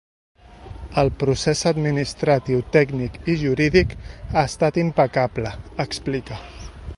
El procés administratiu tècnic i jurídic ha estat impecable, explica.